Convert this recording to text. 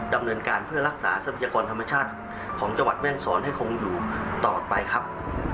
ดำเนินการเพื่อรักษาทรัพยากรธรรมชาติของจังหวัดแม่งศรให้คงอยู่ต่อไปครับ